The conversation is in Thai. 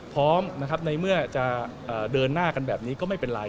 พร้อมนะครับในเมื่อจะเดินหน้ากันแบบนี้ก็ไม่เป็นไร